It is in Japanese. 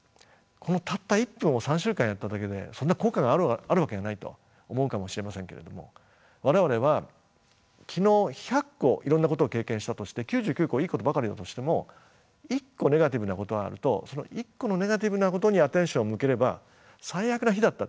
このたった１分を３週間やっただけでそんな効果があるわけがないと思うかもしれませんけれども我々は昨日１００個いろんなことを経験したとして９９個いいことばかりだとしても１個ネガティブなことがあるとその１個のネガティブなことにアテンションを向ければ最悪な日だった。